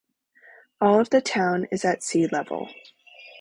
All of the town is at sea level.